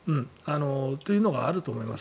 というのはあると思います。